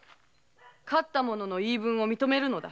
勝った者の言い分を認めるのだ。